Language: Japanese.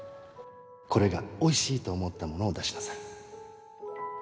これがおいしいと思ったものを出しなさい。